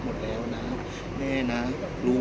พี่อัดมาสองวันไม่มีใครรู้หรอก